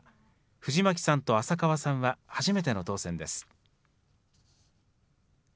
藤巻さんと浅川さんは初めての当選です。